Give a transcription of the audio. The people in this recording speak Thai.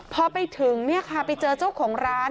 พอไปถึงไปเจอเจ้าของร้าน